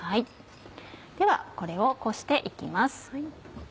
ではこれをこして行きます。